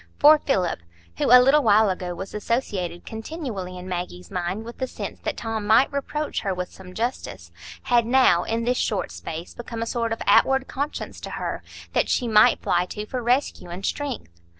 For Philip, who a little while ago was associated continually in Maggie's mind with the sense that Tom might reproach her with some justice, had now, in this short space, become a sort of outward conscience to her, that she might fly to for rescue and strength.